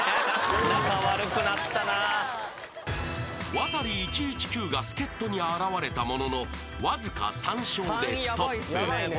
［ワタリ１１９が助っ人に現れたもののわずか３笑でストップ］